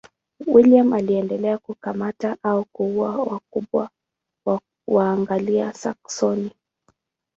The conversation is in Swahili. William aliendelea kukamata au kuua wakubwa wa Waanglia-Saksoni.